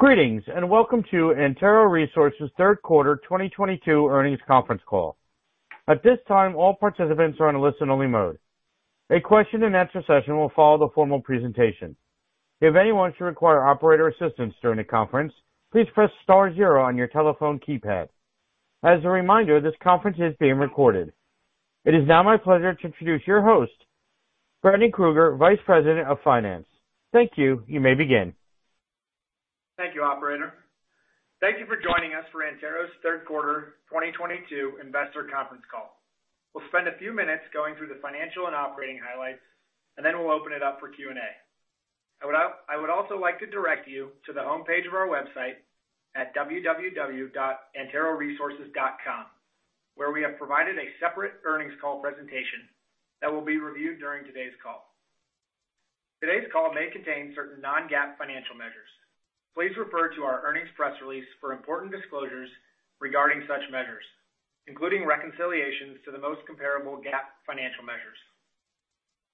Greetings, and welcome to Antero Resources' Third Quarter 2022 Earnings Conference Call. At this time, all participants are in a listen-only mode. A question-and-answer session will follow the formal presentation. If anyone should require operator assistance during the conference, please press star zero on your telephone keypad. As a reminder, this conference is being recorded. It is now my pleasure to introduce your host, Brendan Krueger, Vice President of Finance. Thank you. You may begin. Thank you, operator. Thank you for joining us for Antero's Third Quarter 2022 Investor Conference Call. We'll spend a few minutes going through the financial and operating highlights, and then we'll open it up for Q&A. I would also like to direct you to the homepage of our website at www.anteroresources.com, where we have provided a separate earnings call presentation that will be reviewed during today's call. Today's call may contain certain non-GAAP financial measures. Please refer to our earnings press release for important disclosures regarding such measures, including reconciliations to the most comparable GAAP financial measures.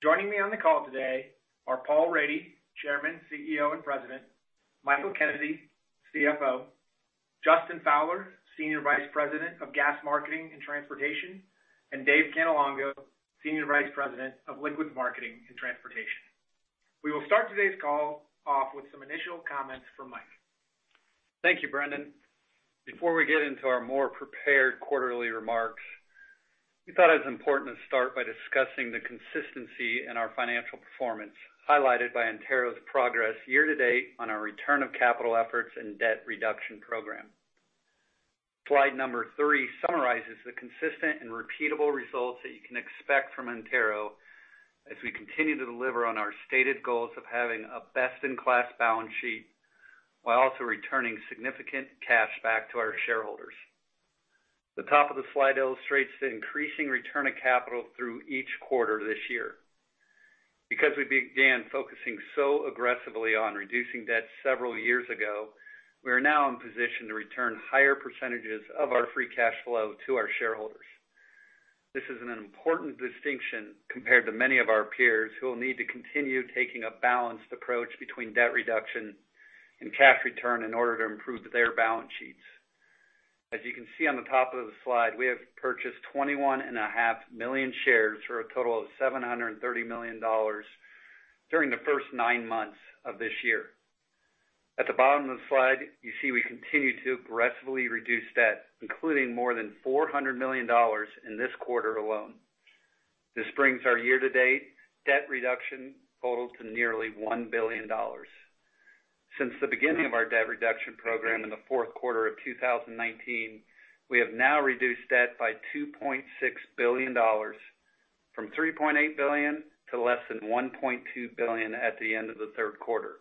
Joining me on the call today are Paul Rady, Chairman, CEO, and President, Michael Kennedy, CFO, Justin Fowler, Senior Vice President of Gas Marketing and Transportation, and Dave Cannelongo, Senior Vice President of Liquids Marketing and Transportation. We will start today's call off with some initial comments from Mike. Thank you, Brendan. Before we get into our more prepared quarterly remarks, we thought it was important to start by discussing the consistency in our financial performance, highlighted by Antero's progress year-to-date on our return of capital efforts and debt reduction program. Slide number three summarizes the consistent and repeatable results that you can expect from Antero as we continue to deliver on our stated goals of having a best-in-class balance sheet while also returning significant cash back to our shareholders. The top of the slide illustrates the increasing return of capital through each quarter this year. Because we began focusing so aggressively on reducing debt several years ago, we are now in position to return higher percentages of our free cash flow to our shareholders. This is an important distinction compared to many of our peers who will need to continue taking a balanced approach between debt reduction and cash return in order to improve their balance sheets. As you can see on the top of the slide, we have purchased 21.5 million shares for a total of $730 million during the first nine months of this year. At the bottom of the slide, you see we continue to aggressively reduce debt, including more than $400 million in this quarter alone. This brings our year-to-date debt reduction total to nearly $1 billion. Since the beginning of our debt reduction program in the fourth quarter of 2019, we have now reduced debt by $2.6 billion, from $3.8 billion to less than $1.2 billion at the end of the third quarter.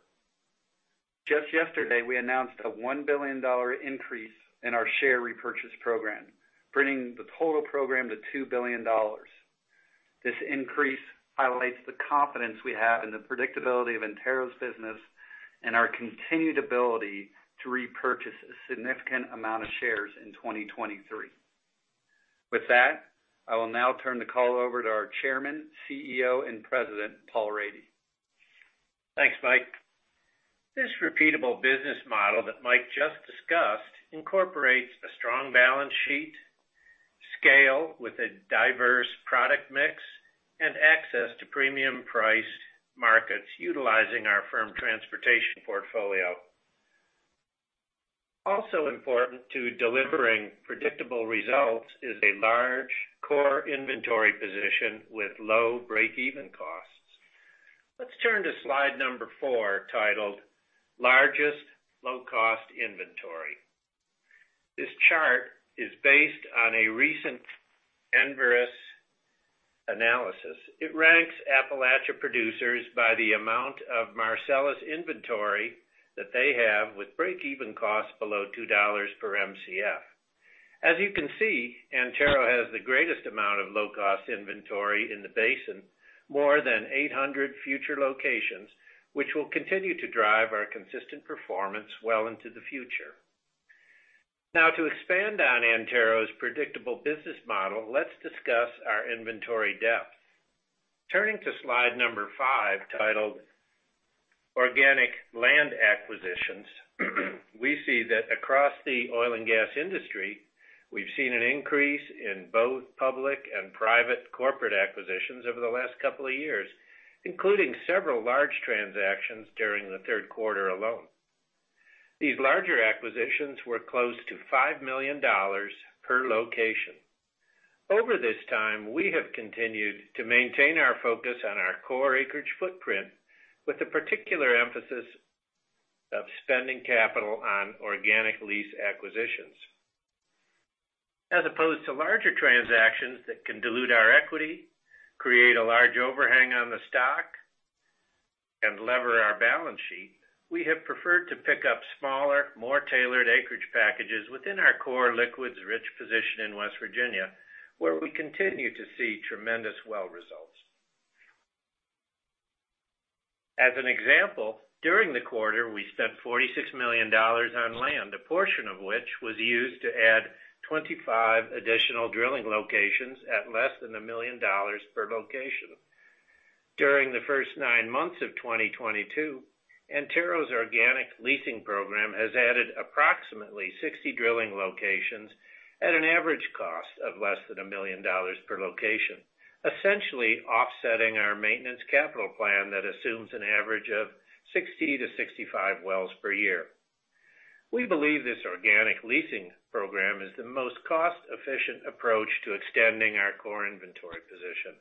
Just yesterday, we announced a $1 billion increase in our share repurchase program, bringing the total program to $2 billion. This increase highlights the confidence we have in the predictability of Antero's business and our continued ability to repurchase a significant amount of shares in 2023. With that, I will now turn the call over to our Chairman, CEO, and President, Paul Rady. Thanks, Mike. This repeatable business model that Mike just discussed incorporates a strong balance sheet, scale with a diverse product mix, and access to premium priced markets utilizing our firm transportation portfolio. Also important to delivering predictable results is a large core inventory position with low break-even costs. Let's turn to slide number four, titled Largest Low-Cost Inventory. This chart is based on a recent Enverus analysis. It ranks Appalachia producers by the amount of Marcellus inventory that they have with break-even costs below $2 per Mcf. As you can see, Antero has the greatest amount of low-cost inventory in the basin, more than 800 future locations, which will continue to drive our consistent performance well into the future. Now to expand on Antero's predictable business model, let's discuss our inventory depth. Turning to slide number five, titled Organic Land Acquisitions, we see that across the oil and gas industry, we've seen an increase in both public and private corporate acquisitions over the last couple of years, including several large transactions during the third quarter alone. These larger acquisitions were close to $5 million per location. Over this time, we have continued to maintain our focus on our core acreage footprint with a particular emphasis of spending capital on organic lease acquisitions. As opposed to larger transactions that can dilute our equity, create a large overhang on the stock, and lever our balance sheet, we have preferred to pick up smaller, more tailored acreage packages within our core liquids-rich position in West Virginia, where we continue to see tremendous well results. As an example, during the quarter, we spent $46 million on land, a portion of which was used to add 25 additional drilling locations at less than $1 million per location. During the first nine months of 2022, Antero's organic leasing program has added approximately 60 drilling locations at an average cost of less than $1 million per location, essentially offsetting our maintenance capital plan that assumes an average of 60-65 wells per year. We believe this organic leasing program is the most cost-efficient approach to extending our core inventory position.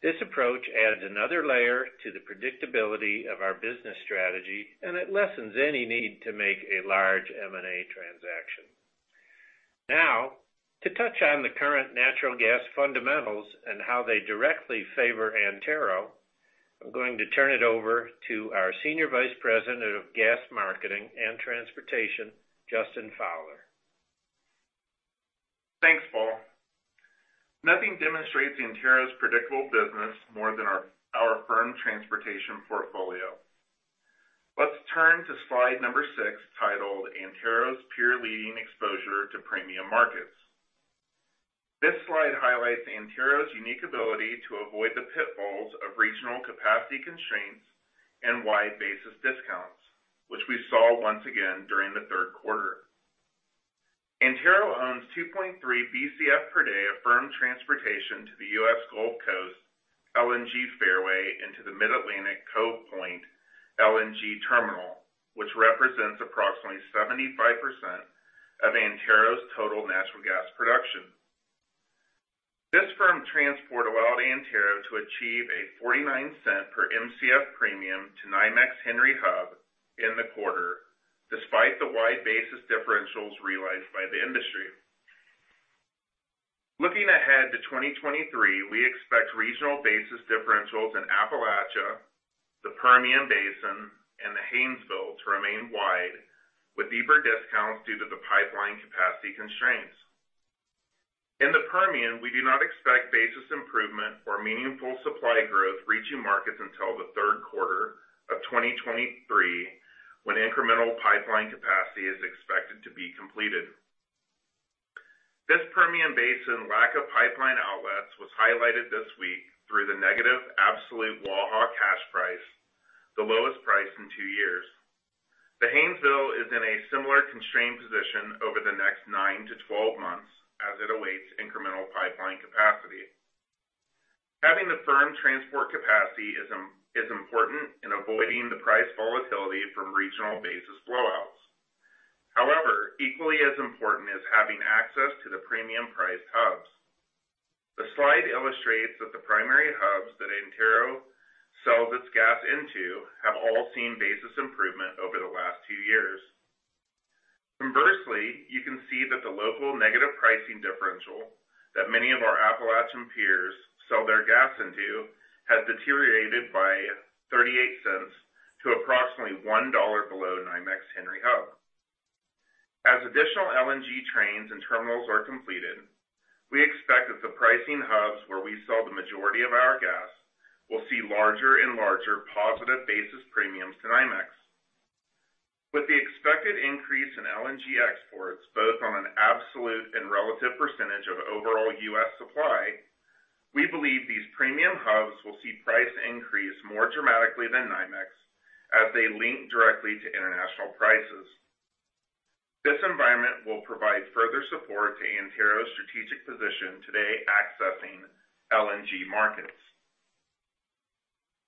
This approach adds another layer to the predictability of our business strategy, and it lessens any need to make a large M&A transaction. Now, to touch on the current natural gas fundamentals and how they directly favor Antero, I'm going to turn it over to our Senior Vice President of Gas Marketing and Transportation, Justin Fowler. Thanks, Paul. Nothing demonstrates Antero's predictable business more than our firm transportation portfolio. Let's turn to slide number six, titled Antero's Peer Leading Exposure to Premium Markets. This slide highlights Antero's unique ability to avoid the pitfalls of regional capacity constraints and wide basis discounts, which we saw once again during the third quarter. Antero owns 2.3 Bcf per day of firm transportation to the U.S. Gulf Coast LNG fairway into the Mid-Atlantic Cove Point LNG terminal, which represents approximately 75% of Antero's total natural gas production. This firm transport allowed Antero to achieve a $0.49 per Mcf premium to NYMEX Henry Hub in the quarter, despite the wide basis differentials realized by the industry. Looking ahead to 2023, we expect regional basis differentials in Appalachia, the Permian Basin, and the Haynesville to remain wide with deeper discounts due to the pipeline capacity constraints. In the Permian, we do not expect basis improvement or meaningful supply growth reaching markets until the third quarter of 2023, when incremental pipeline capacity is expected to be completed. This Permian Basin lack of pipeline outlets was highlighted this week through the negative absolute Waha cash price, the lowest price in 2 years. The Haynesville is in a similar constrained position over the next 9-12 months as it awaits incremental pipeline capacity. Having the firm transport capacity is important in avoiding the price volatility from regional basis blowouts. However, equally as important is having access to the premium price hubs. The slide illustrates that the primary hubs that Antero sell this gas into have all seen basis improvement over the last 2 years. Conversely, you can see that the local negative pricing differential that many of our Appalachian peers sell their gas into has deteriorated by $0.38 to approximately $1 below NYMEX Henry Hub. As additional LNG trains and terminals are completed, we expect that the pricing hubs where we sell the majority of our gas will see larger and larger positive basis premiums to NYMEX. With the expected increase in LNG exports, both on an absolute and relative percentage of overall U.S. supply, we believe these premium hubs will see price increase more dramatically than NYMEX as they link directly to international prices. This environment will provide further support to Antero's strategic position today accessing LNG markets.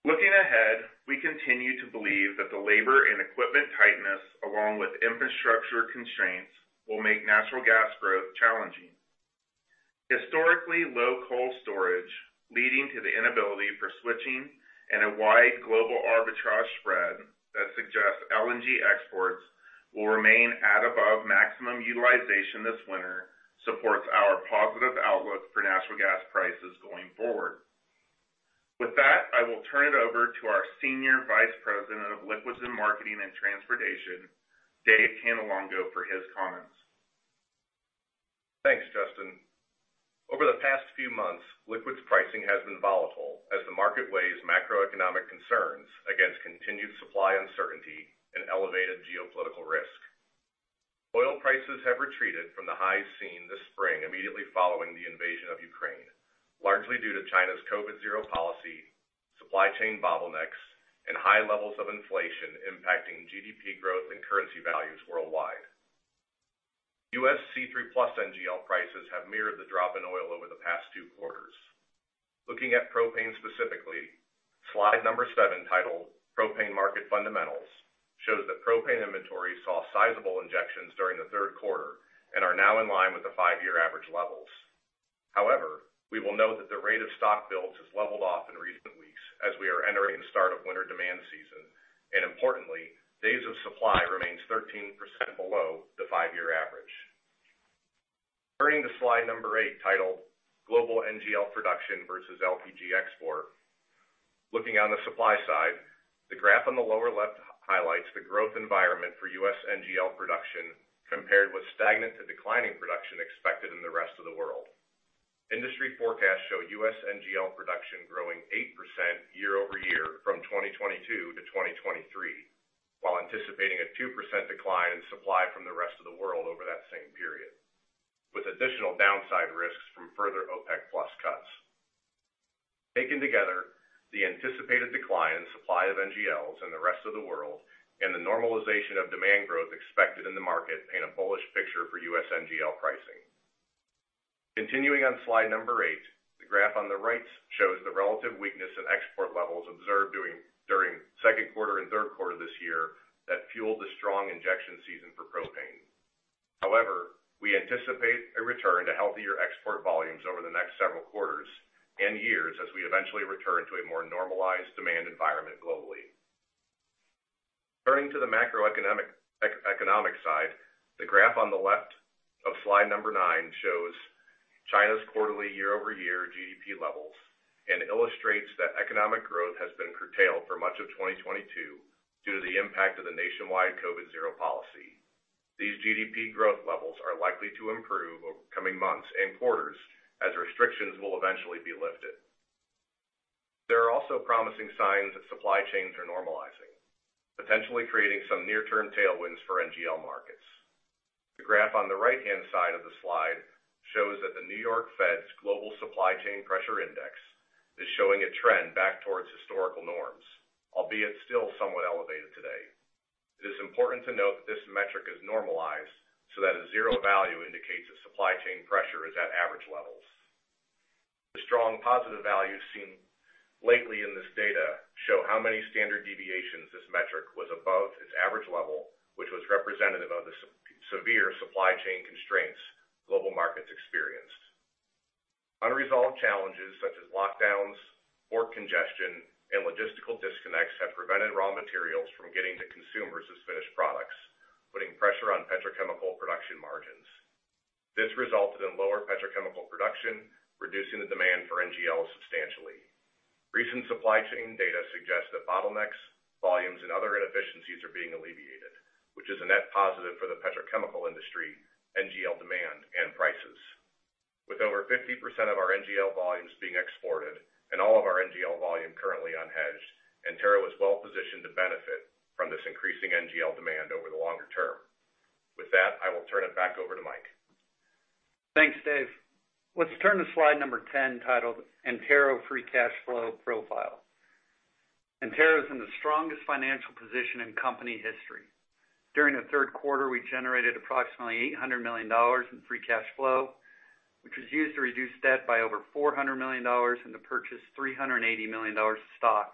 Looking ahead, we continue to believe that the labor and equipment tightness, along with infrastructure constraints, will make natural gas growth challenging. Historically low coal storage, leading to the inability for switching and a wide global arbitrage spread that suggests LNG exports will remain at above maximum utilization this winter supports our positive outlook for natural gas prices going forward. With that, I will turn it over to our Senior Vice President of Liquids Marketing and Transportation, Dave Cannelongo, for his comments. Thanks, Justin. Over the past few months, liquids pricing has been volatile as the market weighs macroeconomic concerns against continued supply uncertainty and elevated geopolitical risk. Oil prices have retreated from the highs seen this spring immediately following the invasion of Ukraine, largely due to China's COVID-zero policy, supply chain bottlenecks, and high levels of inflation impacting GDP growth and currency values worldwide. U.S. C3+ NGL prices have mirrored the drop in oil over the past two quarters. Looking at propane specifically, slide number seven, titled Propane Market Fundamentals, shows that propane inventory saw sizable injections during the third quarter and are now in line with the five-year average levels. However, we will note that the rate of stock builds has leveled off in recent weeks as we are entering the start of winter demand season, and importantly, days of supply remains 13% below the 5 year average. Turning to slide number eight, titled Global NGL Production versus LPG Export. Looking on the supply side, the graph on the lower left highlights the growth environment for U.S. NGL production compared with stagnant to declining production expected in the rest of the world. Industry forecasts show U.S. NGL production growing 8% year-over-year from 2022 to 2023, anticipating a 2% decline in supply from the rest of the world over that same period, with additional downside risks from further OPEC+ cuts. Taken together, the anticipated decline in supply of NGLs in the rest of the world and the normalization of demand growth expected in the market paint a bullish picture for U.S. NGL pricing. Continuing on slide number eight, the graph on the right shows the relative weakness in export levels observed during second quarter and third quarter this year that fueled the strong injection season for propane. However, we anticipate a return to healthier export volumes over the next several quarters and years as we eventually return to a more normalized demand environment globally. Turning to the macroeconomic economic side, the graph on the left of slide number nine shows China's quarterly year-over-year GDP levels and illustrates that economic growth has been curtailed for much of 2022 due to the impact of the nationwide COVID-zero policy. These GDP growth levels are likely to improve over coming months and quarters as restrictions will eventually be lifted. There are also promising signs that supply chains are normalizing, potentially creating some near-term tailwinds for NGL markets. The graph on the right-hand side of the slide shows that the New York Fed's Global Supply Chain Pressure Index is showing a trend back towards historical norms, albeit still somewhat elevated today. It is important to note that this metric is normalized so that a zero value indicates that supply chain pressure is at average levels. The strong positive values seen lately in this data show how many standard deviations this metric was above its average level, which was representative of the super-severe supply chain constraints global markets experienced. Unresolved challenges such as lockdowns, port congestion, and logistical disconnects have prevented raw materials from getting to consumers as finished products, putting pressure on petrochemical production margins. This resulted in lower petrochemical production, reducing the demand for NGL substantially. Recent supply chain data suggests that bottlenecks, volumes, and other inefficiencies are being alleviated, which is a net positive for the petrochemical industry, NGL demand, and prices. With over 50% of our NGL volumes being exported and all of our NGL volume currently unhedged, Antero is well positioned to benefit from this increasing NGL demand over the longer term. With that, I will turn it back over to Mike. Thanks, Dave. Let's turn to slide number 10, titled Antero Free Cash Flow Profile. Antero is in the strongest financial position in company history. During the third quarter, we generated approximately $800 million in free cash flow, which was used to reduce debt by over $400 million and to purchase $380 million stock,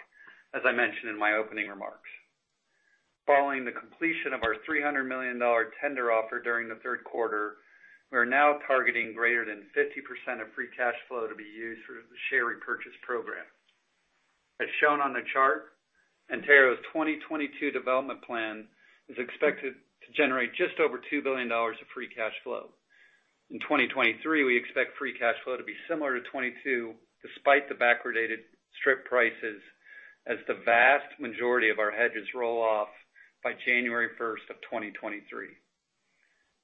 as I mentioned in my opening remarks. Following the completion of our $300 million tender offer during the third quarter, we are now targeting greater than 50% of free cash flow to be used through the share repurchase program. As shown on the chart, Antero's 2022 development plan is expected to generate just over $2 billion of free cash flow. In 2023, we expect free cash flow to be similar to 2022 despite the backwardated strip prices as the vast majority of our hedges roll off by January 1, 2023.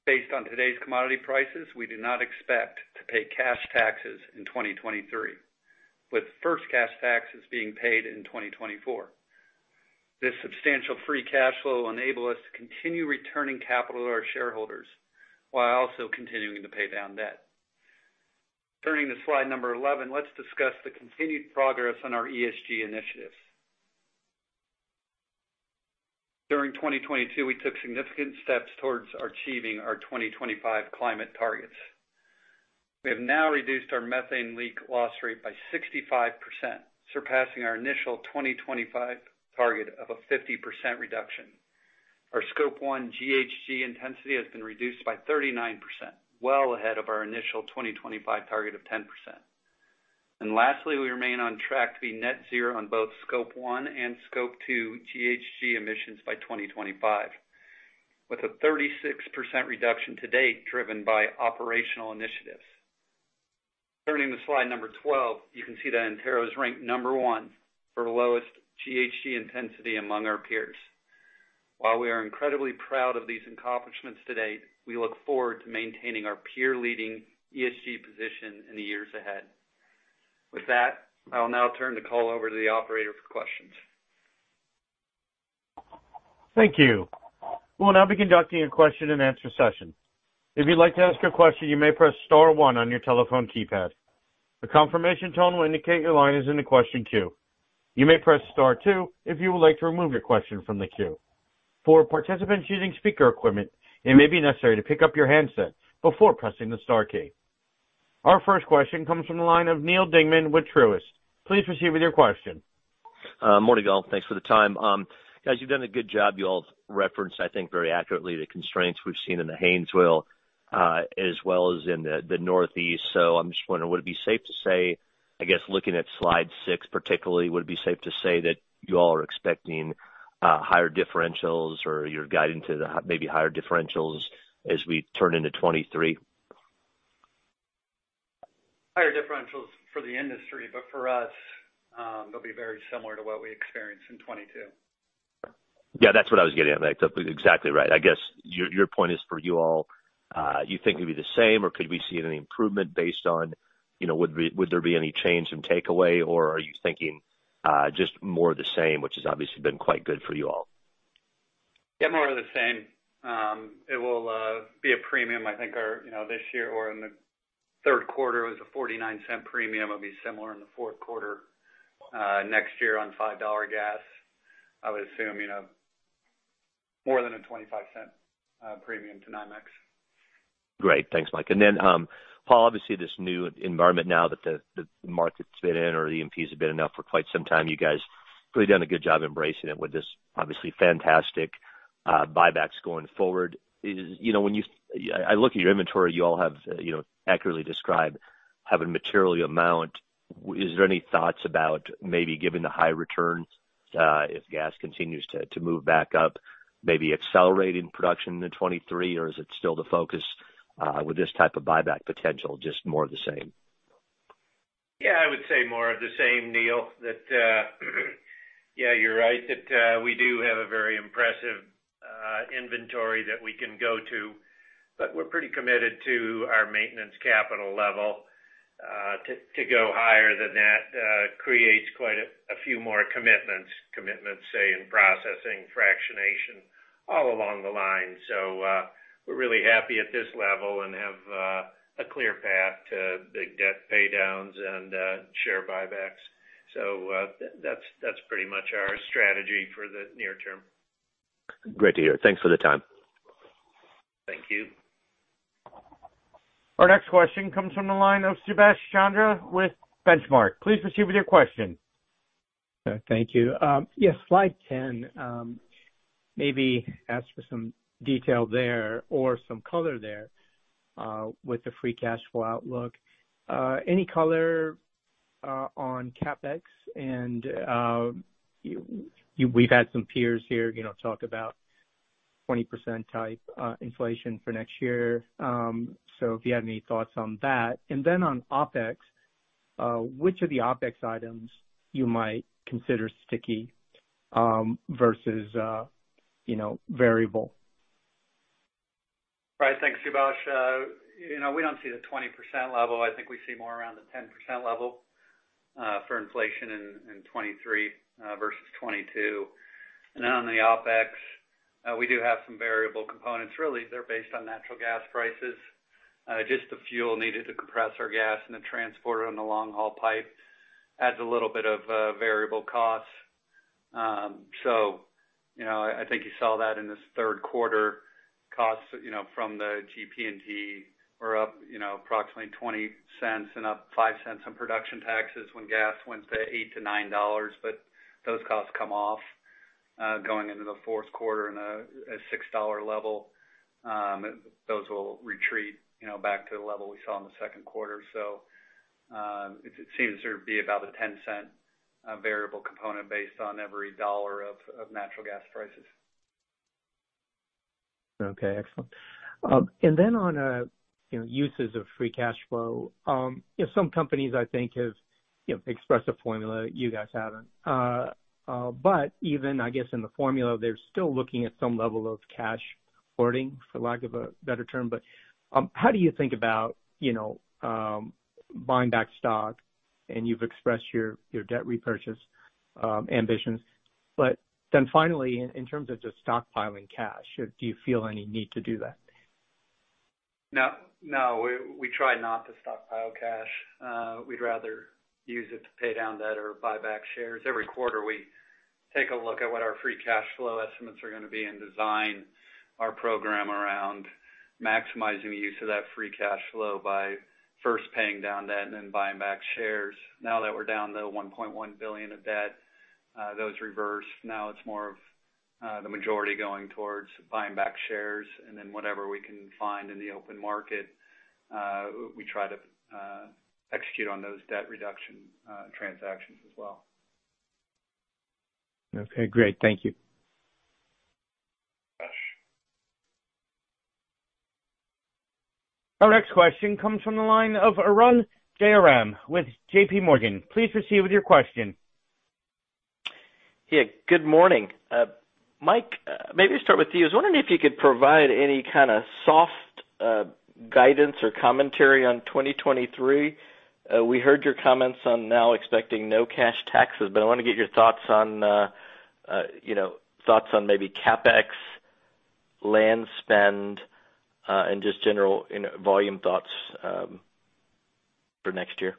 Based on today's commodity prices, we do not expect to pay cash taxes in 2023, with first cash taxes being paid in 2024. This substantial free cash flow will enable us to continue returning capital to our shareholders while also continuing to pay down debt. Turning to slide 11, let's discuss the continued progress on our ESG initiatives. During 2022, we took significant steps towards achieving our 2025 climate targets. We have now reduced our methane leak loss rate by 65%, surpassing our initial 2025 target of a 50% reduction. Our Scope 1 GHG intensity has been reduced by 39%, well ahead of our initial 2025 target of 10%. Lastly, we remain on track to be net zero on both Scope 1 and Scope 2 GHG emissions by 2025, with a 36% reduction to date driven by operational initiatives. Turning to slide 12, you can see that Antero is ranked number one for lowest GHG intensity among our peers. While we are incredibly proud of these accomplishments to date, we look forward to maintaining our peer-leading ESG position in the years ahead. With that, I will now turn the call over to the operator for questions. Thank you. We'll now be conducting a question-and-answer session. If you'd like to ask a question, you may press star one on your telephone keypad. A confirmation tone will indicate your line is in the question queue. You may press star two if you would like to remove your question from the queue. For participants using speaker equipment, it may be necessary to pick up your handset before pressing the star key. Our first question comes from the line of Neal Dingmann with Truist. Please proceed with your question. Morning, all. Thanks for the time. Guys, you've done a good job. You all referenced, I think, very accurately the constraints we've seen in the Haynesville, as well as in the Northeast. I'm just wondering, would it be safe to say, I guess, looking at slide six particularly, would it be safe to say that you all are expecting higher differentials or you're guiding to maybe higher differentials as we turn into 2023? Higher differentials for the industry, but for us, they'll be very similar to what we experienced in 2022. Yeah, that's what I was getting at. That's exactly right. I guess your point is for you all. Do you think it'd be the same or could we see any improvement based on, you know, would there be any change in takeaway, or are you thinking just more of the same, which has obviously been quite good for you all? Yeah, more of the same. It will be a premium. I think our, you know, this year or in the third quarter, it was a $0.49 premium. It'll be similar in the fourth quarter next year on $5 gas. I would assume, you know, more than a $0.25 premium to NYMEX. Great. Thanks, Mike. Paul, obviously this new environment now that the market's been in or the macros have been tough for quite some time, you guys really done a good job embracing it with this obviously fantastic buybacks going forward. You know, when I look at your inventory, you all have, you know, accurately described have a material amount. Is there any thoughts about maybe giving the high returns, if gas continues to move back up, maybe accelerating production in 2023? Or is it still the focus, with this type of buyback potential, just more of the same? Yeah, I would say more of the same, Neal. Yeah, you're right, that we do have a very impressive inventory that we can go to, but we're pretty committed to our maintenance capital level. To go higher than that creates quite a few more commitments, say, in processing fractionation all along the line. We're really happy at this level and have a clear path to big debt paydowns and share buybacks. That's pretty much our strategy for the near term. Great to hear. Thanks for the time. Thank you. Our next question comes from the line of Subash Chandra with Benchmark. Please proceed with your question. Thank you. Yes, slide 10, maybe ask for some detail there or some color there with the free cash flow outlook. Any color on CapEx and you've had some peers here, you know, talk about 20% type inflation for next year. So if you had any thoughts on that. Then on OpEx, which of the OpEx items you might consider sticky versus you know, variable? Right. Thanks, Subash. You know, we don't see the 20% level. I think we see more around the 10% level for inflation in 2023 versus 2022. Then on the OpEx, we do have some variable components. Really, they're based on natural gas prices. Just the fuel needed to compress our gas and then transport it on the long-haul pipe adds a little bit of variable costs. You know, I think you saw that in this third quarter costs from the GP&T were up approximately $0.20 and up $0.05 in production taxes when gas went to $8-$9. Those costs come off going into the fourth quarter and a $6 level, those will retreat back to the level we saw in the second quarter. It seems there'd be about a $0.10 variable component based on every dollar of natural gas prices. Okay. Excellent. On, you know, uses of free cash flow, you know, some companies I think have, you know, expressed a formula, you guys haven't. Even I guess in the formula, they're still looking at some level of cash hoarding, for lack of a better term. How do you think about, you know, buying back stock? You've expressed your debt repurchase ambitions. Finally, in terms of just stockpiling cash, do you feel any need to do that? No. We try not to stockpile cash. We'd rather use it to pay down debt or buy back shares. Every quarter, we take a look at what our free cash flow estimates are gonna be and design our program around maximizing the use of that free cash flow by first paying down debt and then buying back shares. Now that we're down to $1.1 billion of debt, those reverse. Now it's more of the majority going towards buying back shares and then whatever we can find in the open market, we try to execute on those debt reduction transactions as well. Okay, great. Thank you. Thanks. Our next question comes from the line of Arun Jayaram with JPMorgan. Please proceed with your question. Yeah, good morning. Mike, maybe start with you. I was wondering if you could provide any kind of soft guidance or commentary on 2023. We heard your comments on now expecting no cash taxes, but I want to get your thoughts on, you know, maybe CapEx, land spend, and just general, you know, volume thoughts, for next year.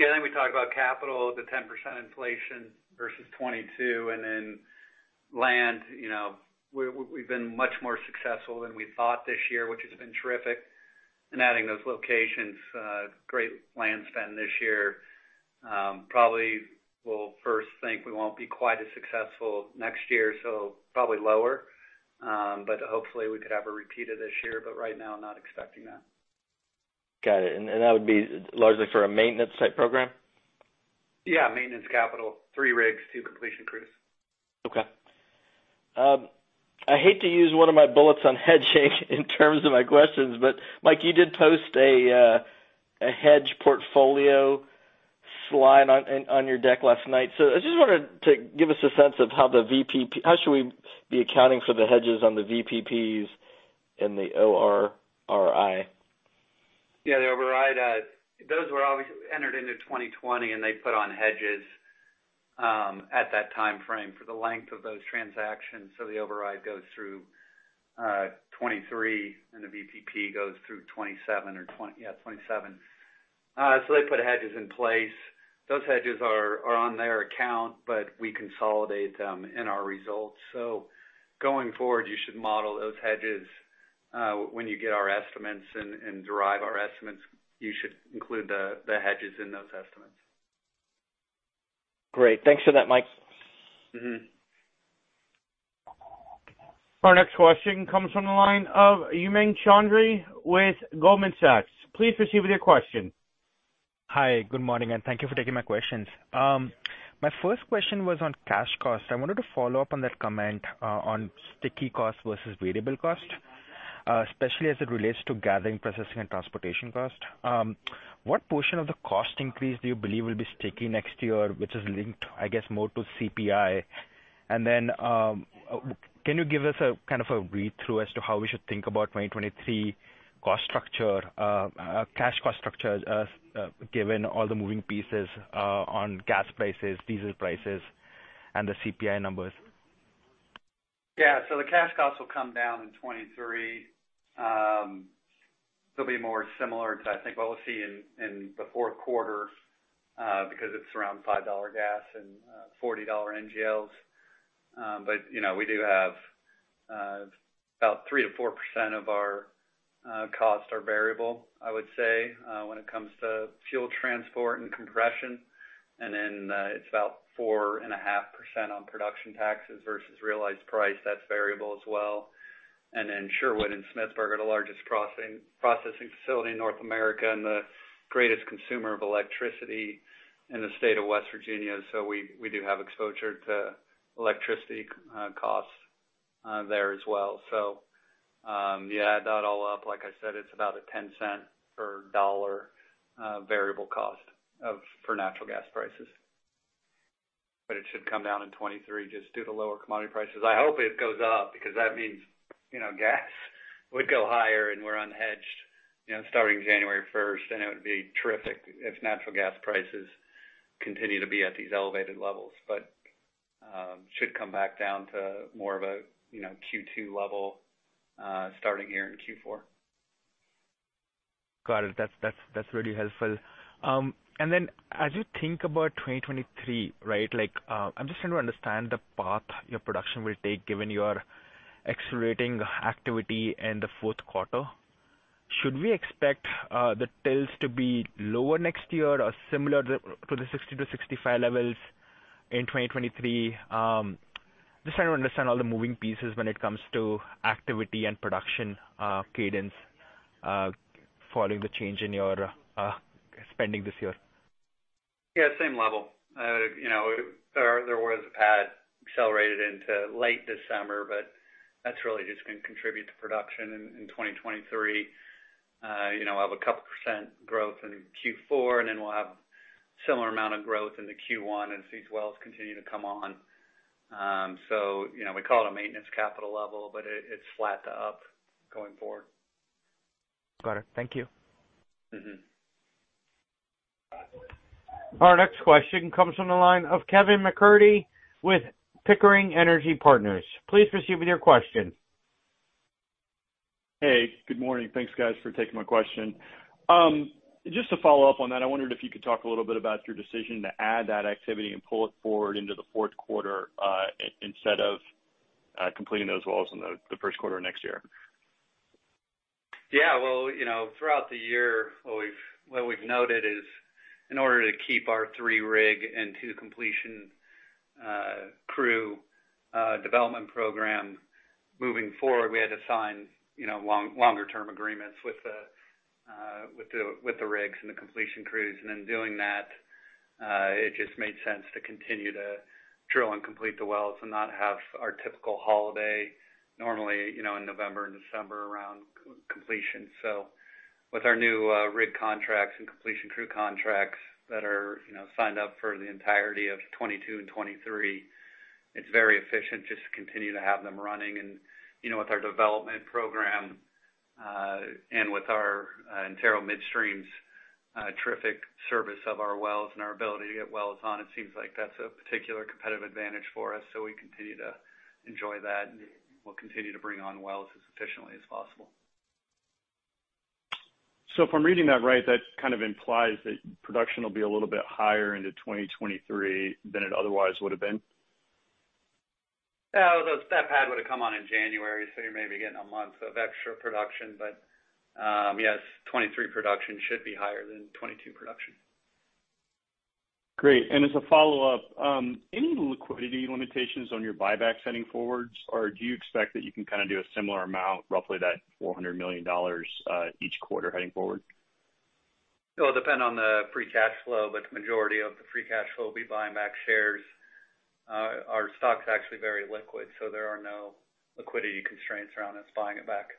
I think we talked about capital, the 10% inflation versus 2022, and then land. You know, we've been much more successful than we thought this year, which has been terrific in adding those locations. Great land spend this year. Probably we'll first think we won't be quite as successful next year, so probably lower. Hopefully we could have a repeat of this year. Right now, I'm not expecting that. Got it. That would be largely for a maintenance type program? Yeah, maintenance capital. three rigs, two completion crews. Okay. I hate to use one of my bullets on hedging in terms of my questions, but Mike, you did post a hedge portfolio slide on your deck last night. I just wanted to give us a sense of how we should be accounting for the hedges on the VPPs and the ORRI? Yeah, the override, those were obviously entered into 2020, and they put on hedges at that timeframe for the length of those transactions. The override goes through 2023 and the VPP goes through 2027. They put hedges in place. Those hedges are on their account, but we consolidate them in our results. Going forward, you should model those hedges when you get our estimates and derive our estimates. You should include the hedges in those estimates. Great. Thanks for that, Mike. Mm-hmm. Our next question comes from the line of Umang Choudhary with Goldman Sachs. Please proceed with your question. Hi. Good morning, and thank you for taking my questions. My first question was on cash costs. I wanted to follow up on that comment on sticky costs versus variable costs, especially as it relates to gathering, processing, and transportation costs. What portion of the cost increase do you believe will be sticky next year, which is linked, I guess, more to CPI? Can you give us a kind of a read-through as to how we should think about 2023 cost structure, cash cost structure, given all the moving pieces on gas prices, diesel prices, and the CPI numbers? Yeah. The cash costs will come down in 2023. They'll be more similar to, I think, what we'll see in the fourth quarter because it's around $5 gas and $40 NGLs. You know, we do have about 3%-4% of our costs are variable, I would say, when it comes to fuel transport and compression. It's about 4.5% on production taxes versus realized price. That's variable as well. Sherwood and Smithburg are the largest processing facility in North America and the greatest consumer of electricity in the state of West Virginia. We do have exposure to electricity costs there as well. You add that all up, like I said, it's about a $0.10 per dollar variable cost for natural gas prices. It should come down in 2023 just due to lower commodity prices. I hope it goes up because that means, you know, gas would go higher and we're unhedged, you know, starting January 1, and it would be terrific if natural gas prices continue to be at these elevated levels. Should come back down to more of a, you know, Q2 level starting here in Q4. Got it. That's really helpful. As you think about 2023, right, like, I'm just trying to understand the path your production will take given your accelerating activity in the fourth quarter. Should we expect the DUCs to be lower next year or similar to the 60-65 levels in 2023? Just trying to understand all the moving pieces when it comes to activity and production cadence following the change in your spending this year. Yeah, same level. You know, there was a pad accelerated into late December, but that's really just gonna contribute to production in 2023. You know, we'll have a couple percent growth in Q4, and then we'll have similar amount of growth into Q1 as these wells continue to come on. You know, we call it a maintenance capital level, but it's flat to up going forward. Got it. Thank you. Mm-hmm. Our next question comes from the line of Kevin McCarthy with Pickering Energy Partners. Please proceed with your question. Hey, good morning. Thanks, guys, for taking my question. Just to follow up on that, I wondered if you could talk a little bit about your decision to add that activity and pull it forward into the fourth quarter, instead of completing those wells in the first quarter of next year. Yeah. Well, you know, throughout the year, what we've noted is in order to keep our three rig and two completion-crew development program moving forward, we had to sign, you know, longer-term agreements with the rigs and the completion crews. In doing that, it just made sense to continue to drill and complete the wells and not have our typical holiday normally, you know, in November and December around completion. With our new rig contracts and completion crew contracts that are, you know, signed up for the entirety of 2022 and 2023, it's very efficient just to continue to have them running. You know, with our development program and with our Antero Midstream's terrific service of our wells and our ability to get wells on, it seems like that's a particular competitive advantage for us, so we continue to enjoy that, and we'll continue to bring on wells as efficiently as possible. If I'm reading that right, that kind of implies that production will be a little bit higher into 2023 than it otherwise would have been? Yeah. Well, that pad would've come on in January, so you're maybe getting a month of extra production. Yes, 2023 production should be higher than 2022 production. Great. As a follow-up, any liquidity limitations on your buyback heading forwards? Or do you expect that you can kind of do a similar amount, roughly that $400 million, each quarter heading forward? It'll depend on the free cash flow, but the majority of the free cash flow will be buying back shares. Our stock's actually very liquid, so there are no liquidity constraints around us buying it back.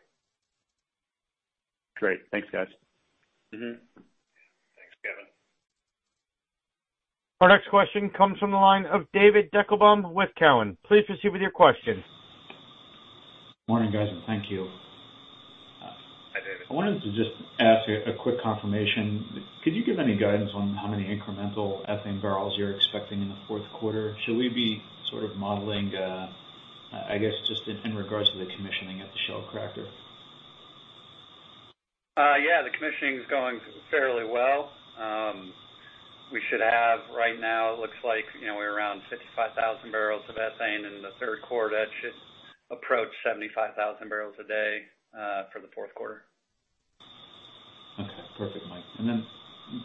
Great. Thanks guys. Mm-hmm. Thanks Kevin. Our next question comes from the line of David Deckelbaum with TD Cowen. Please proceed with your question. Morning, guys, and thank you. Hi, David. I wanted to just ask a quick confirmation. Could you give any guidance on how many incremental ethane barrels you're expecting in the fourth quarter? Should we be sort of modeling, I guess just in regards to the commissioning at the Shell cracker? Yeah, the commissioning's going fairly well. We should have right now it looks like, you know, we're around 65,000 barrels of ethane in the third quarter. That should approach 75,000 barrels a day for the fourth quarter. Okay, perfect, Mike.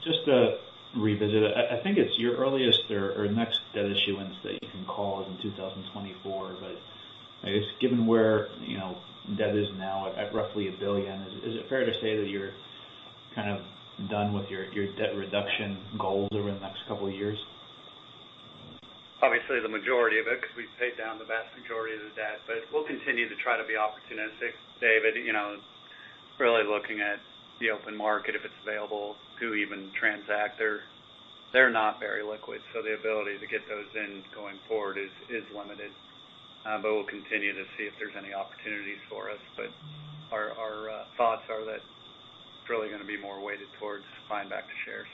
Just to revisit, I think it's your earliest or next debt issuance that you can call is in 2024. I guess given where, you know, debt is now at roughly $1 billion, is it fair to say that you're kind of done with your debt reduction goals over the next couple of years? Obviously, the majority of it, 'cause we've paid down the vast majority of the debt, but we'll continue to try to be opportunistic, David, you know, really looking at the open market, if it's available, to even transact. They're not very liquid, so the ability to get those in going forward is limited. We'll continue to see if there's any opportunities for us. Our thoughts are that it's really gonna be more weighted towards buying back the shares.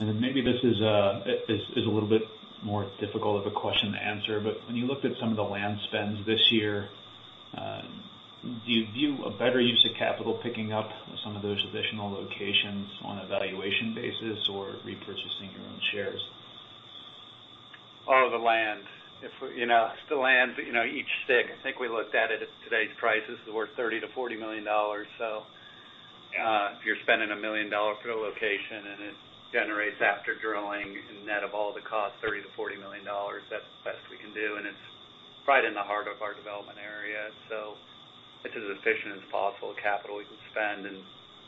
Maybe this is a little bit more difficult of a question to answer, but when you looked at some of the land spends this year, do you view a better use of capital picking up some of those additional locations on a valuation basis or repurchasing your own shares? All of the land. You know, it's the land, you know, each stick, I think we looked at it at today's prices is worth $30-$40 million. If you're spending $1 million for a location and it generates after drilling net of all the costs, $30-$40 million, that's the best we can do, and it's right in the heart of our development area. It's as efficient as possible capital we can spend, and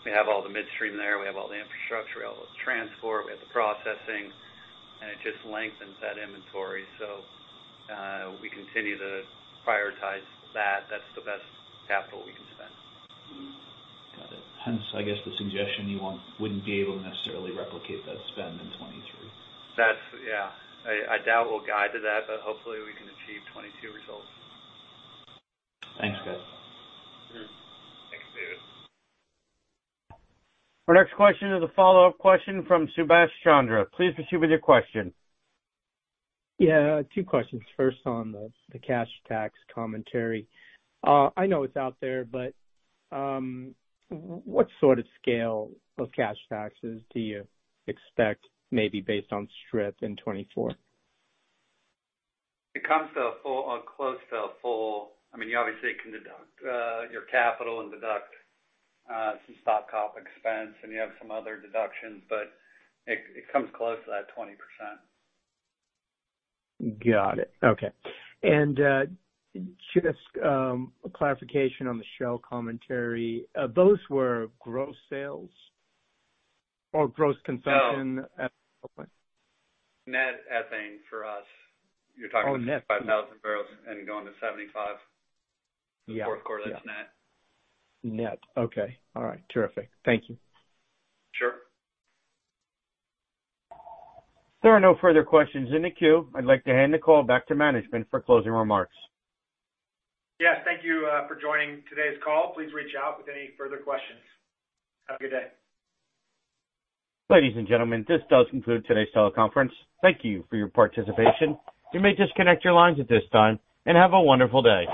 we have all the midstream there, we have all the infrastructure, we have all the transport, we have the processing, and it just lengthens that inventory. We continue to prioritize that. That's the best capital we can spend. Got it. Hence, I guess the suggestion you want wouldn't be able to necessarily replicate that spend in 2023. I doubt we'll guide to that, but hopefully we can achieve 2022 results. Thanks, guys. Mm-hmm. Thanks, David. Our next question is a follow-up question from Subash Chandra. Please proceed with your question. Yeah, two questions. First, on the cash tax commentary. I know it's out there, but what sort of scale of cash taxes do you expect maybe based on strip in 2024? It comes to a full or close to a full. I mean, you obviously can deduct your capital and deduct some stock comp expense and you have some other deductions, but it comes close to that 20%. Got it. Okay. Just clarification on the Shell commentary. Those were gross sales or gross consumption? No. Net ethane for us. You're talking about.. Oh, net. -5,000 barrels and going to 75- Yeah. In the fourth quarter, that's net. Okay. All right, terrific. Thank you. Sure. There are no further questions in the queue. I'd like to hand the call back to management for closing remarks. Yes, thank you for joining today's call. Please reach out with any further questions. Have a good day. Ladies and gentlemen, this does conclude today's teleconference. Thank you for your participation. You may disconnect your lines at this time, and have a wonderful day.